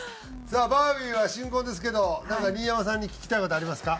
さあバービーは新婚ですけどなんか新山さんに聞きたい事ありますか？